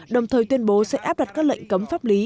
đồng thời tuyên bố sẽ áp đặt các lệnh cấm pháp lý